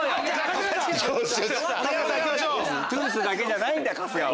トゥースだけじゃないんだ春日は。